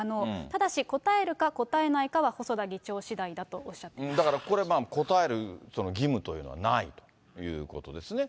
ただし答えるか答えないかは細田議長しだいだとおっしゃっていまだからこれ、答える義務というのはないということですね。